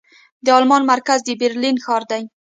د المان مرکز د برلين ښار دې.